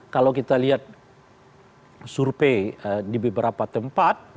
kalau kita lihat survei di beberapa tempat